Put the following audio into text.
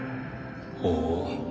ほう。